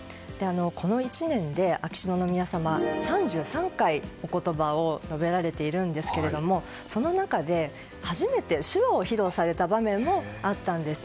この１年で秋篠宮さまは３３回、おことばを述べられているんですがその中で、初めて手話を披露された場面もあったんです。